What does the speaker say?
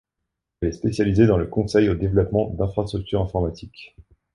Elle est spécialisée dans le conseil au développement d'infrastructures informatiques.